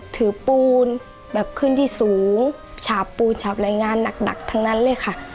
ถือปูนแบบขึ้นที่สูงฉาบปูนฉาบรายงานหนักทั้งนั้นเลยค่ะ